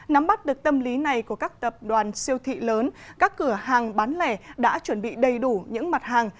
nắm bắt được tâm lý này của các tập đoàn siêu thị lớn các cửa hàng bán lẻ đã chuẩn bị đầy đủ những mặt hàng